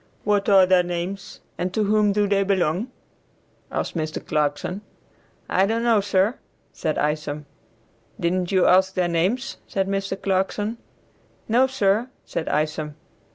"What are their names, and to whom do they belong?" asked Mr. Clarkson. "I don't know, sir," said Isom. "Didn't you ask their names?" said Mr. Clarkson. "No, sir," said Isom.